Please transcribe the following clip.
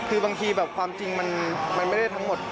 คือบางทีแบบความจริงมันไม่ได้ทั้งหมด